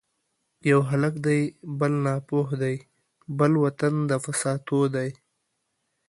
یو هلک دی بل ناپوه دی ـ بل وطن د فساتو دی